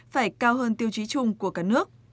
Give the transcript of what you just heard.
phải cao hơn tiêu chí chung của cả nước